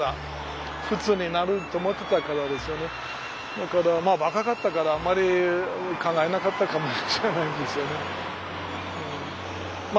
だからまあ若かったからあまり考えなかったかもしれないんですよね。